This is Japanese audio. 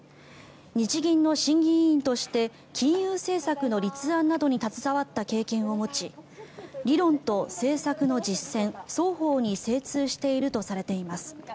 日銀の審議委員として金融政策の立案などに携わった経験を持ち理論と政策の実践、双方に精通しているとされています。